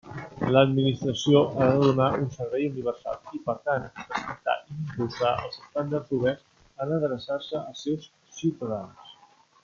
L'administració ha de donar un servei universal i, per tant, respectar i impulsar els estàndards oberts en adreçar-se als seus ciutadans.